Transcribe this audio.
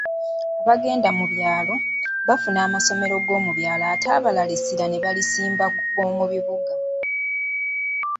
"Abaagenda mu byalo, baafuna amasomero ag’omubyalo ate abamu essira ne balisimba ku g’omubibuga."